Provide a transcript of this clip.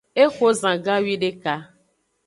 Exo zan gawideka.